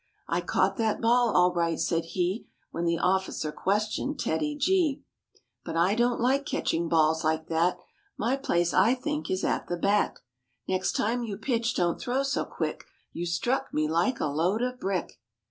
" I caught that ball, all right," said he, When the officer questioned TEDDY G; " But I don't like catching balls like that; My place I think is at the bat. Next time you pitch don't throw so quick; You struck me like a load of brick."